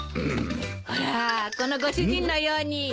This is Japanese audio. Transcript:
ほらこのご主人のように。